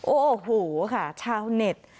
โอ้โหค่ะชาวเน็ต